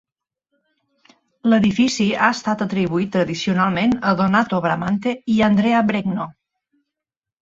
L'edifici ha estat atribuït tradicionalment a Donato Bramante i Andrea Bregno.